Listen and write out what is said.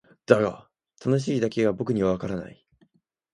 だが「楽しい」だけが僕にはわからない。